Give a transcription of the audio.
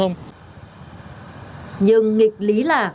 nhưng nghịch lý là